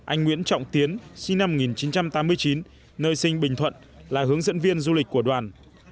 anh nguyễn trọng tiến sinh năm một nghìn chín trăm tám mươi chín nơi sinh bình thuận là hướng dẫn viên du lịch của đoàn